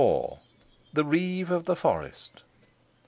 THE REEVE OF THE FOREST.